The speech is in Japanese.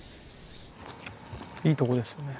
いいとこですよね。